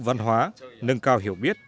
văn hóa nâng cao hiểu biết